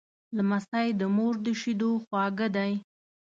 لمسی د مور د شیدو خواږه دی.